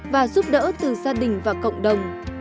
và giúp đỡ từ gia đình và cộng đồng